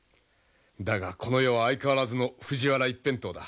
だがこの世は相変わらずの藤原一辺倒だ。